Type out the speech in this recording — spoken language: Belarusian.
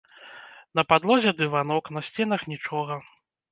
На падлозе дыванок, на сценах нічога.